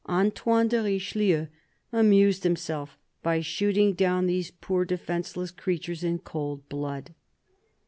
Antoine de Richelieu " amused himself" by shooting down these poor defenceless creatures in cold blood.